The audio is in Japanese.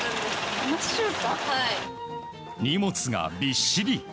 荷物がびっしり。